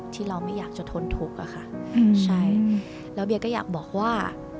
ที่เราไม่อยากจะทนทุกข์อะค่ะใช่แล้วเบียก็อยากบอกว่า